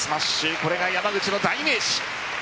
これが山口の代名詞。